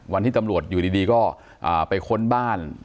วันที่ตำรวจอยู่ดีก็ไปค้นบ้าน